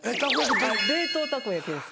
冷凍たこ焼きです。